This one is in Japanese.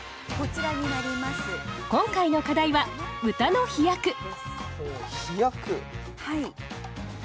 今回の課題は「歌の飛躍」飛躍。